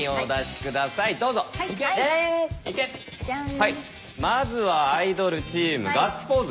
はいまずはアイドルチーム「ガッツポーズ」。